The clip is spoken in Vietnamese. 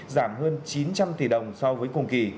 giảm hơn chín trăm linh tỷ đồng so với cùng kỳ